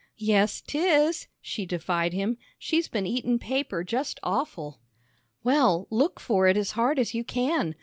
"Yes, 'tis," she defied him, "she's been eatin' paper just awful." "Well, look for it as hard as you can.